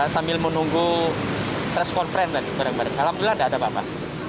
sambil menunggu press conference tadi bareng bareng alhamdulillah tidak ada apa apa